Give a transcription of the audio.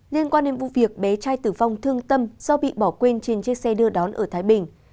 liên quan đến vụ việc bé trai tử vong thương tâm do bị bỏ quên trên chiếc xe đưa đón ở thái bình